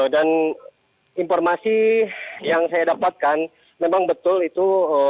dan informasi yang saya dapatkan memang betul itu